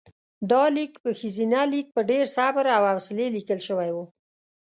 دا لیک په ښځینه لیک په ډېر صبر او حوصلې لیکل شوی و.